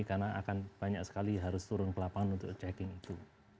karena akan banyak sekali harus turun ke lapangan untuk checking itu